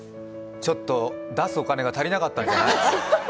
ちょっと出すお金が足りなかったんじゃない？